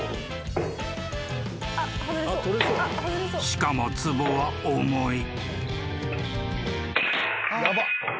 ［しかもつぼは重い］